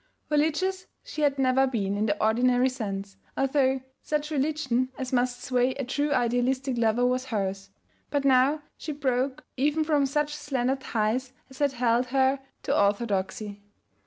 Religious she had never been in the ordinary sense, although such religion as must sway a true idealistic lover was hers; but now she broke even from such slender ties as had held her to orthodoxy.